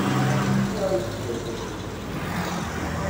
Ayɣer ay d-teḥkiḍ taseḍsut-a?